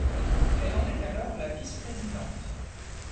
Elle en est alors la vice-présidente.